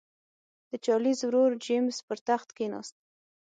د چارلېز ورور جېمز پر تخت کېناست.